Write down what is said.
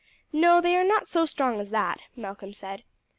"No, they are not so strong as that," Malcolm said.